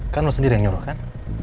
kan lo sendiri yang nyoba kan